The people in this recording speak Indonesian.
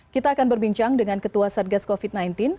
kita akan berbincang dengan ketua satgas covid sembilan belas